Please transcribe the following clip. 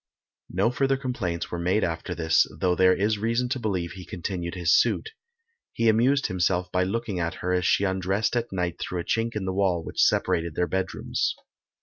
No further complaints were made after this, though there is reason to believe he continued his suit. He amused himself by looking at her as she undressed at night through a chink in the wall which separated their bedrooms.